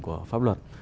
của pháp luật